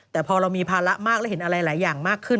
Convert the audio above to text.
แต่พอเรามีภาระมากแล้วเห็นอะไรหลายอย่างมากขึ้น